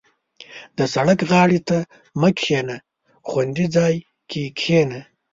• د سړک غاړې ته مه کښېنه، خوندي ځای کې کښېنه.